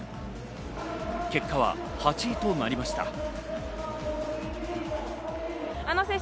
結果は８位となりました。